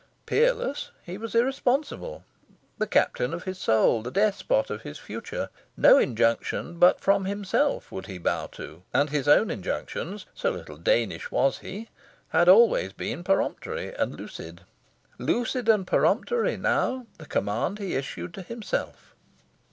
Peerless, he was irresponsible the captain of his soul, the despot of his future. No injunction but from himself would he bow to; and his own injunctions so little Danish was he had always been peremptory and lucid. Lucid and peremptory, now, the command he issued to himself.